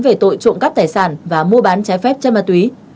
về tội trộm cắp tài sản và mua bán trái phép chân ma túy